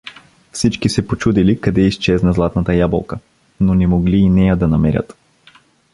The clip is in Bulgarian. Всички се почудили къде изчезна златната ябълка, но не могли и нея да намерят.